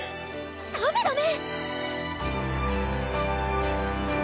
ダメダメ！